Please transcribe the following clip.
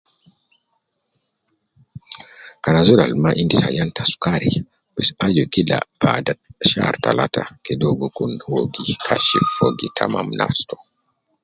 Kan azol al ma endisi ayan te sukari bes aju kila bada shar talata, kede uwo gi kun ligo uwo gi kashifu uwo gi tamam nafsi to